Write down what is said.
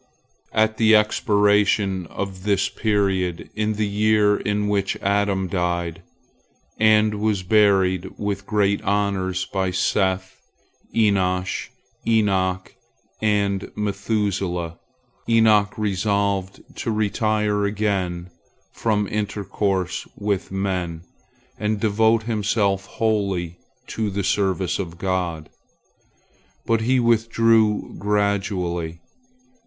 At the expiration of this period, in the year in which Adam died, and was buried with great honors by Seth, Enosh, Enoch, and Methuselah, Enoch resolved to retire again from intercourse with men, and devote himself wholly to the service of God. But he withdrew gradually.